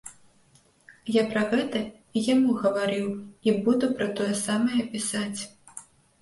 Я пра гэта і яму гаварыў і буду пра тое самае пісаць.